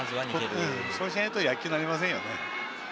そうしないと野球になりませんよね。